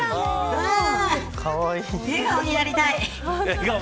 笑顔になりたい。